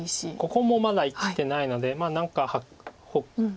ここもまだ生きてないので何か。